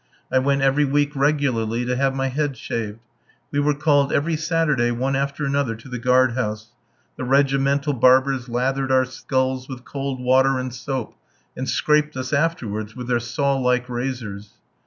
I went every week regularly to have my head shaved. We were called every Saturday one after another to the guard house. The regimental barbers lathered our skulls with cold water and soap, and scraped us afterwards with their saw like razors.